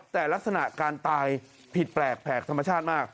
แต่ลักษณะการตายผิดแปลกแผลกธรรมชาติมาก